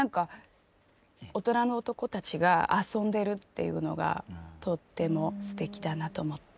大人の男たちが遊んでるっていうのがとってもすてきだなと思って。